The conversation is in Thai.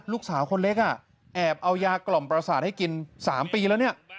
ลูกสาวคนเล็กแอบเอายากล่อมประสาทให้กิน๓ปีแล้วเนี่ย